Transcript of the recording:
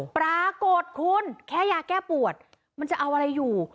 ปรากฏคุณแค่ยาแก้ปวดมันจะเอาอะไรอยู่